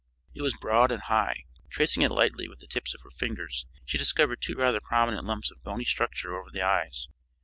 It was broad and high. Tracing it lightly with the tips of her fingers she discovered two rather prominent lumps of bony structure over the eyes.